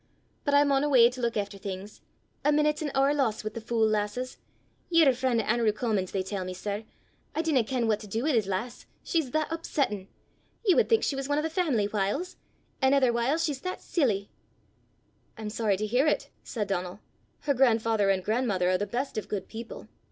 But I maun awa' to luik efter things; a meenute's an hoor lost wi' thae fule lasses. Ye're a freen' o' An'rew Comin's, they tell me, sir: I dinna ken what to do wi' 's lass, she's that upsettin'! Ye wad think she was ane o' the faimily whiles; an' ither whiles she 's that silly!" "I'm sorry to hear it!" said Donal. "Her grandfather and grandmother are the best of good people."